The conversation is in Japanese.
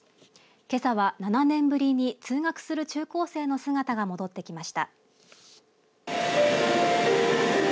けさは７年ぶりに通学する中高生の姿が戻ってきました。